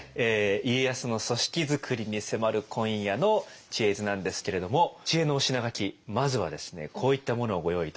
家康の組織づくりに迫る今夜の「知恵泉」なんですけれども知恵のお品書きまずはですねこういったものをご用意いたしました。